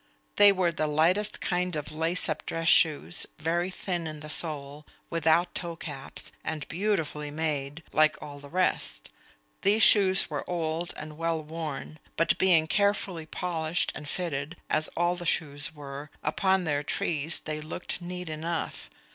They were the lightest kind of lace up dress shoes, very thin in the sole, without toe caps, and beautifully made, like all the rest. These shoes were old and well worn; but being carefully polished and fitted, as all the shoes were, upon their trees, they looked neat enough.